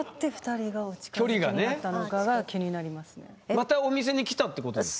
またお店に来たってことですか？